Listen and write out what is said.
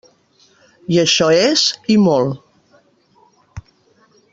I això és, i molt.